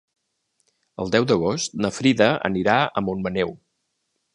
El deu d'agost na Frida anirà a Montmaneu.